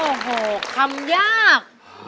โอ้โหคำยาก